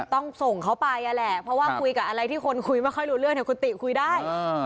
ต้องส่งเขาไปอ่ะแหละเพราะว่าคุยกับอะไรที่คนคุยไม่ค่อยรู้เรื่องเนี่ยคุณติคุยได้